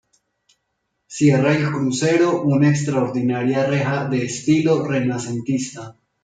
Cierra el crucero una extraordinaria reja de estilo renacentista.